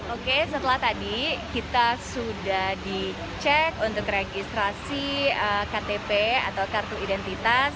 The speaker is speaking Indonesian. oke setelah tadi kita sudah dicek untuk registrasi ktp atau kartu identitas